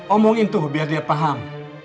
omongin tuh biar dia paham